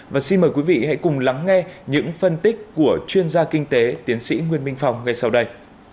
và xin mời quý vị hãy cùng lắng nghe những phân tích của chuyên gia kinh tế tiến sĩ nguyên minh phong ngay sau đây